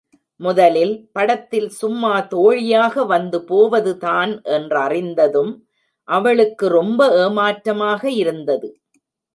முதலில், படத்தில் சும்மா தோழியாக வந்து போவது தான் என்றறிந்ததும் அவளுக்கு ரொம்ப ஏமாற்றமாக இருந்தது.